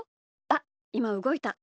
あっいまうごいた。